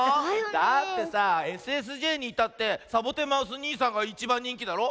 だってさＳＳＪにいたってサボテンマウスにいさんがいちばんにんきだろ。